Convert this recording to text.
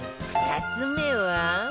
２つ目は